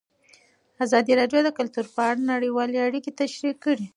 ازادي راډیو د کلتور په اړه نړیوالې اړیکې تشریح کړي.